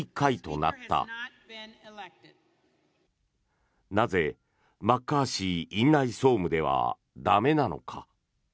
なぜ、マッカーシー院内総務では駄目なのか。